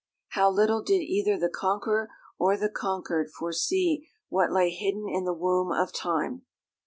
How little did either the conqueror or the conquered foresee what lay hidden in the womb of time!